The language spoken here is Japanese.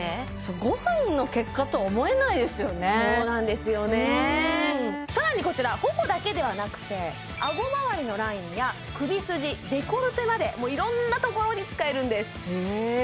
５分の結果とは思えないですよねそうなんですよね更にこちら頬だけではなくて顎まわりのラインや首筋デコルテまでいろんなところに使えるんですへえ